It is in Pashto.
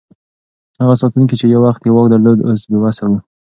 هغه ساتونکی چې یو وخت یې واک درلود، اوس بې وسه و.